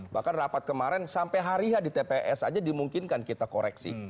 bahkan rapat kemarin sampai hari ya di tps aja dimungkinkan kita koreksi